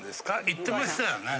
言ってましたよね。